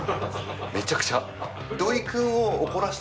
めちゃくちゃ。